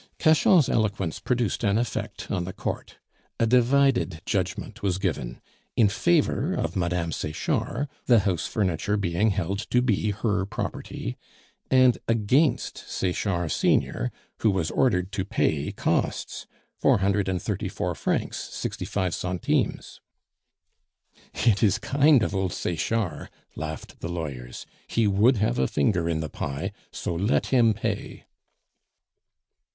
Cachan's eloquence produced an effect on the court. A divided judgment was given in favor of Mme. Sechard, the house furniture being held to be her property; and against Sechard senior, who was ordered to pay costs four hundred and thirty four francs, sixty five centimes. "It is kind of old Sechard," laughed the lawyers; "he would have a finger in the pie, so let him pay!"